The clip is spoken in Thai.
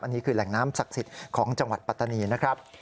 อันนี้คือแหล่งน้ำศักดิ์สิทธิ์ของจังหวัดปัตตานีนะครับ